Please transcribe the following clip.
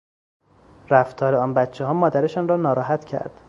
رفتار آن بچهها مادرشان را ناراحت کرد.